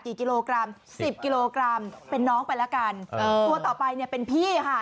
กี่กิโลกรัม๑๐กิโลกรัมเป็นน้องไปละกันตัวต่อไปนี่เป็นพี่ฮะ